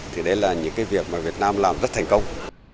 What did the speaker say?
thì đây là những cái việc mà việt nam làm rất thành công